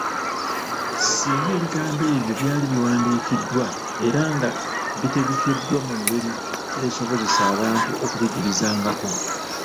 Singa ebigambo ebyo byali biwandiikiddwa era nga bitegekeddwa mu ngeri esobozesa abantu okubijulizangako.